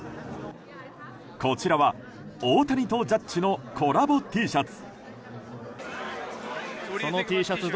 こちらは大谷とジャッジのコラボＴシャツ。